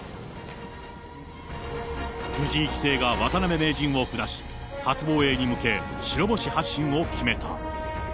藤井棋聖が渡辺名人を下し、初防衛に向け白星発進を決めた。